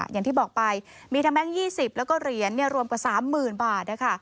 อย่างที่บอกไปมีทั้งแก๊ง๒๐แล้วก็เหรียญรวมกว่า๓๐๐๐บาทนะคะ